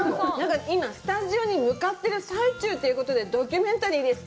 今スタジオに向かってる最中ということで、ドキュメンタリーです。